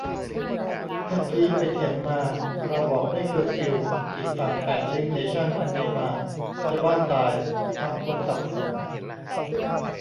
เมื่อกี้ไปเถียงมา เราบอกไม่เคอร์ฟิว อีกฝั่งแปะลิงก์เนชั่นอันนี้มา จะบ้าตาย ทำคนสับสน